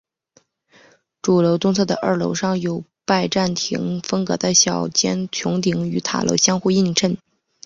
主楼东侧的二楼上有拜占廷风格的小尖穹顶与塔楼相互映衬。